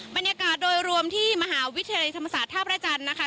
บรรยากาศโดยรวมที่มหาวิทยาลัยธรรมศาสตร์ท่าพระจันทร์นะคะ